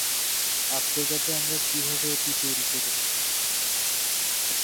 আফ্রিকাতে আমরা কীভাবে এটি তৈরি করেছিলাম।